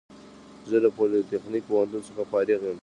زه له پولیتخنیک پوهنتون څخه فارغ یم